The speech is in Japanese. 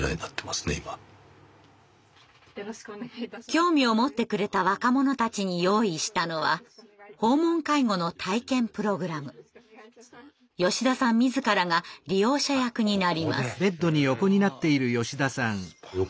興味を持ってくれた若者たちに用意したのは吉田さん自らが利用者役になります。